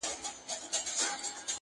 شور به ګډ په شالمار سي د زلمیو-